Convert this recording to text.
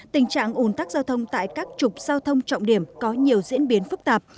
tình trạng ủn tắc giao thông tại các trục giao thông trọng điểm có nhiều diễn biến phức tạp